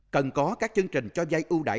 cần có các chương trình cho dai ưu đại